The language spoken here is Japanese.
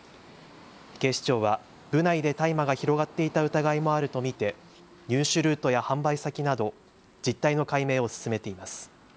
警視庁は部内で大麻が広がっていた疑いもあると見て入手ルートや販売先など実態の解明を進めています。